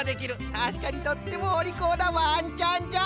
たしかにとってもおりこうなわんちゃんじゃ。